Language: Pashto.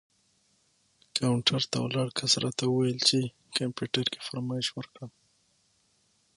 کاونټر ته ولاړ کس راته وویل چې کمپیوټر کې فرمایش ورکړم.